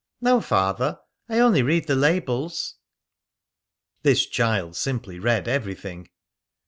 "No, Father. I only read the labels." This child simply read everything.